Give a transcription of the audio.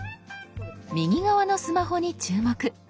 右側のスマホに注目。